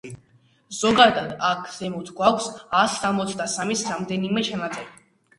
ზოგადად, აქ ზემოთ გვაქვს ას სამოცდასამის რამდენიმე ჩანაწერი.